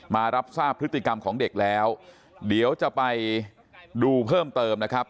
มารับทราบพฤติกรรมของเด็กแล้วเดี๋ยวจะไปดูเพิ่มเติมนะครับ